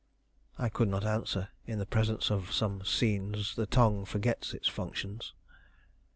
I could not answer; in the presence of some scenes the tongue forgets its functions.